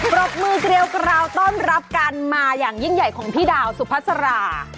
ปรบมือเกลียวกราวต้อนรับกันมาอย่างยิ่งใหญ่ของพี่ดาวสุพัสรา